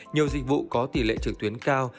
nhiều dịch vụ có tỷ lệ trực tuyến cao